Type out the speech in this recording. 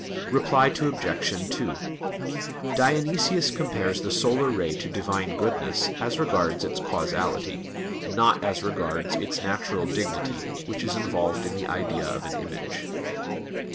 Reply Obj. 2: Dionysius compares the solar ray to Divine goodness, as regards its causality; not as regards its natural dignity which is involved in the idea of an image.